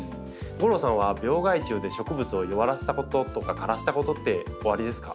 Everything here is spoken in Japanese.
吾郎さんは病害虫で植物を弱らせたこととか枯らしたことっておありですか？